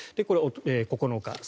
これは９日。